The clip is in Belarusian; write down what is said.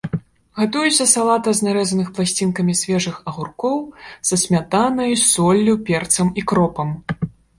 Гатуецца салата з нарэзаных пласцінкамі свежых агуркоў са смятанай, соллю, перцам і кропам.